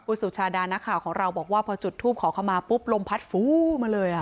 ผู้สูชาดารณ์นักข่าวของเราบอกว่าพอจุดทูบขอคำมาปุ๊บลมพัดฟูมาเลยอะ